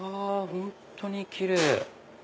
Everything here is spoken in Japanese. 本当にキレイ！